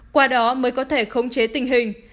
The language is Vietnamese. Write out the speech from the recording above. qua đó mới có thể khống chế tình hình